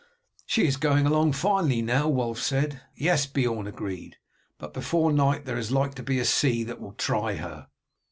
"She is going along finely now," Wulf said. "Yes," Beorn agreed; "but before night there is like to be a sea that will try her."